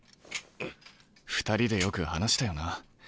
２人でよく話したよな。